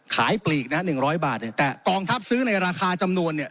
ปลีกนะฮะหนึ่งร้อยบาทเนี่ยแต่กองทัพซื้อในราคาจำนวนเนี่ย